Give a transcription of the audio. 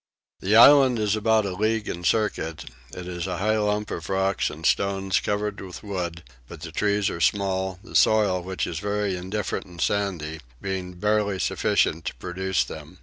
The island is about a league in circuit: it is a high lump of rocks and stones covered with wood; but the trees are small, the soil, which is very indifferent and sandy, being barely sufficient to produce them.